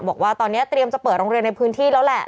บอกว่าตอนนี้เตรียมจะเปิดโรงเรียนในพื้นที่แล้วแหละ